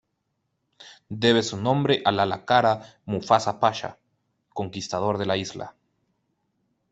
Debe su nombre a Lala Kara Mustafa Pasha, conquistador de la isla.